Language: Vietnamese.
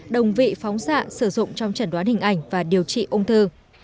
đồng vị phóng xạ sử dụng trong chẩn đoán hình ảnh và điều trị ung thư